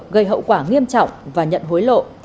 gây hậu quả nghiêm trọng và nhận hối lộ